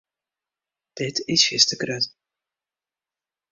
Dit is fierste grut.